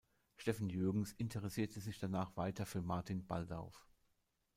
Steffen Jürgens interessierte sich danach weiter für Martin Baldauf.